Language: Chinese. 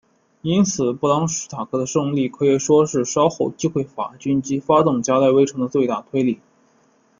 因此布朗什塔克的胜利可以说是稍后击溃法军以及发动加莱围城的最大推力。